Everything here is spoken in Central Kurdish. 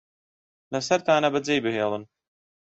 لەسەرتانە بەجێی بهێڵن